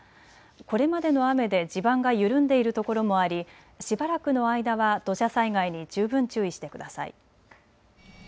これまでの雨で地盤が緩んでいるところもあり、しばらくの間は土砂災害に十分注意してください。